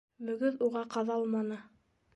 Мөгөҙ уға ҡаҙалманы.